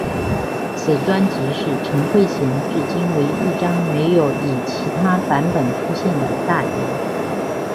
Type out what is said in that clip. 此专辑是陈慧娴至今唯一一张没有以其他版本出现的大碟。